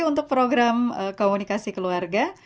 untuk program komunikasi keluarga